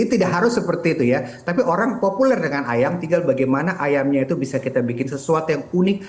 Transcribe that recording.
tidak harus seperti itu ya tapi orang populer dengan ayam tinggal bagaimana ayamnya itu bisa kita bikin sesuatu yang unik